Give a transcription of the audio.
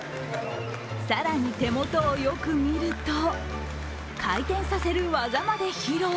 更に手元をよく見ると、回転させる技まで披露。